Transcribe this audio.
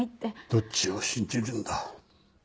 どっちを信じるんだ？